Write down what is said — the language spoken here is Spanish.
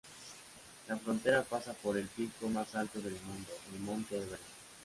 La frontera pasa por el pico más alto del mundo, el Monte Everest.